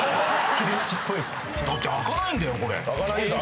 だって開かないんだよ